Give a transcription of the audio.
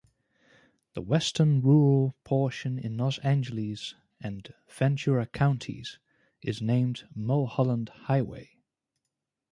The western rural portion in Los Angeles and Ventura Counties is named Mulholland Highway.